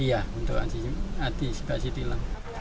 iya untuk antisipasi tilang